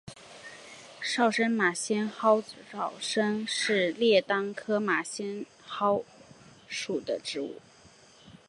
沼生马先蒿沼生是列当科马先蒿属的植物。